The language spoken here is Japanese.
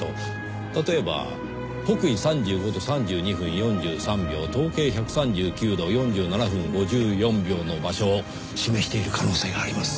例えば北緯３５度３２分４３秒東経１３９度４７分５４秒の場所を示している可能性があります。